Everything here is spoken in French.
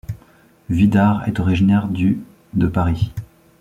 Vuidard est originaire du de Paris.